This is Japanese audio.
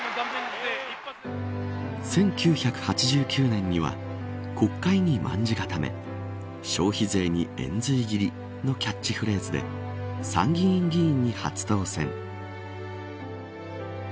１９８９年には国会に卍固め消費税に延髄斬りのキャッチフレーズで参議院議員に初当選。